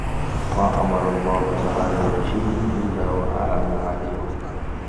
مَا أَمَرَ اللَّهُ تَعَالَى بِشَيْءٍ إلَّا وَأَعَانَ عَلَيْهِ